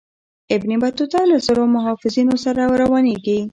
ابن بطوطه له زرو محافظینو سره روانیږي.